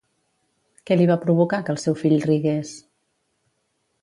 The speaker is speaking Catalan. Què li va provocar que el seu fill rigués?